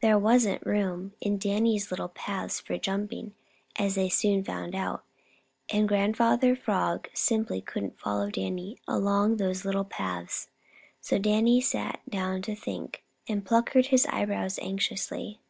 There wasn't room in Danny's little paths for jumping, as they soon found out. Grandfather Frog simply couldn't follow Danny along those little paths. Danny sat down to think, and puckered his brows anxiously.